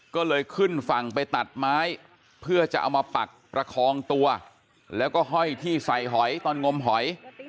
ก็เลยขึ้นฝั่งไปตัดไม้เพื่อจะเอามาปักประคองตัวแล้วก็ห้อยที่ใส่หอยตอนงมหอย